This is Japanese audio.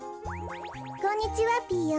こんにちはピーヨン。